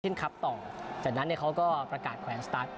คลับต่อจากนั้นเนี่ยเขาก็ประกาศแขวนสตาร์ท